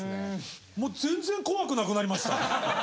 もう全然怖くなくなりました。